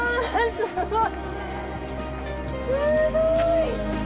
すごい。